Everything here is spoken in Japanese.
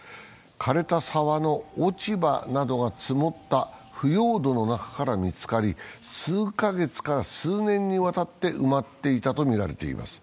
枯れた沢の落ち葉などが積もった腐葉土の中から見つかり、数カ月から数年にわたって埋まっていたとみられています。